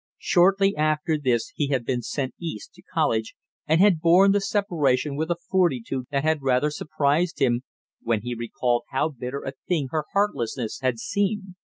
Shortly after this he had been sent East to college and had borne the separation with a fortitude that had rather surprised him when he recalled how bitter a thing her heartlessness had seemed.